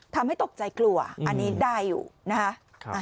ทำให้ตกใจกลัวอันนี้ได้อยู่นะคะ